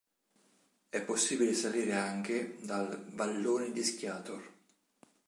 È possibile salire anche dal "vallone d'Ischiator".